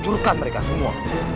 curkan mereka semua